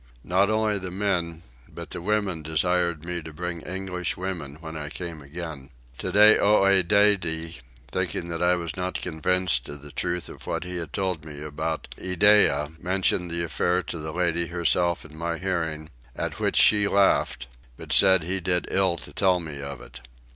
Not only the men but the women desired me to bring English women when I came again. Today Oedidde, thinking I was not convinced of the truth of what he had told me about Iddeah, mentioned the affair to the lady herself in my hearing, at which she laughed, but said he did ill to tell me of it.